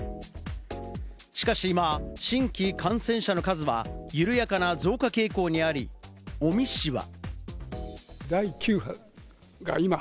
しかし、今、新規感染者の数は緩やかな増加傾向にあり、尾身氏は。